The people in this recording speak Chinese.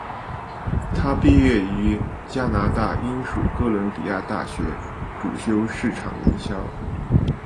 她毕业于加拿大英属哥伦比亚大学主修市场营销。